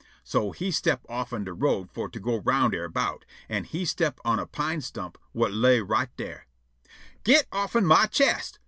So he step' offen de road fo' to go round erbout, an' he step' on a pine stump whut lay right dar. "_Git offen my chest!